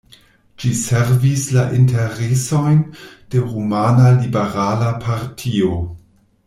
Ĝi servis la interesojn de rumana liberala partio.